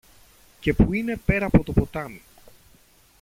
και που είναι πέρα από το ποτάμι.